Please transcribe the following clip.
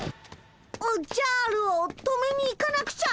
おっじゃるを止めに行かなくちゃ！